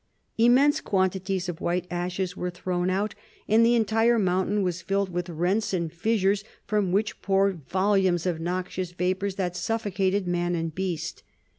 Immense quantities of white ashes were thrown out, and the entire mountain was filled with rents and fissures, from which poured volumes of noxious vapors that suffocated man and beast.